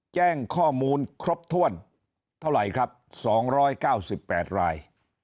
แจ้งข้อมูลครบถ้วนเท่าไหร่ครับ๒๙๘ราย